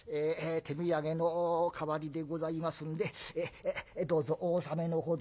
手土産の代わりでございますんでどうぞお納めのほど。